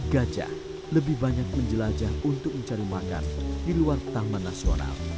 gajah lebih banyak menjelajah untuk mencari makan di luar taman nasional